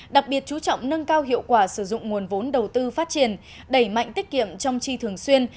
đặc biệt chú trọng nâng cao hiệu quả sử dụng nguồn vốn đầu tư phát triển đẩy mạnh tiết kiệm trong chi thường xuyên